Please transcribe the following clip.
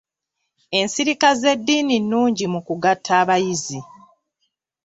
Ensirika z'edddiini nungi mu kugatta abayizi.